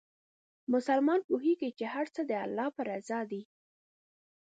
مسلمان پوهېږي چې هر څه د الله په رضا دي.